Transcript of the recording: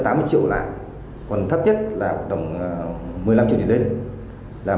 tám mươi triệu lại còn thấp nhất là tầm một mươi năm triệu truyền lên